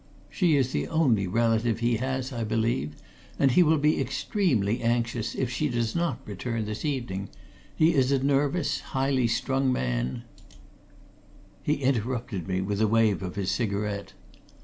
She is the only relative he has, I believe, and he will be extremely anxious if she does not return this evening. He is a nervous, highly strung man " He interrupted me with a wave of his cigarette.